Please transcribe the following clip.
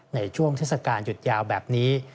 ในช่วงเทศกาลหยุดยาวแบบนี้